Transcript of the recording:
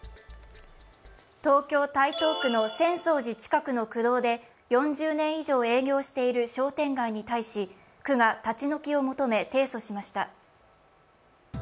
東京・台東区の浅草寺近くの区道で４０年以上営業している商店街に対し区が立ち退きを求め提訴しました。